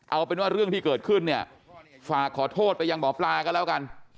เอาเป็นว่าเรื่องที่เกิดขึ้นเนี่ยฝากขอโทษไปยังหมอปลาก็แล้วกัน